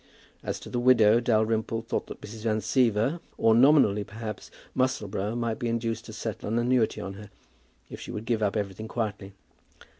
As to the widow, Dalrymple thought that Mrs. Van Siever, or nominally, perhaps, Musselboro, might be induced to settle an annuity on her, if she would give up everything quietly.